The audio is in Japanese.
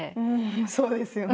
そうですよね。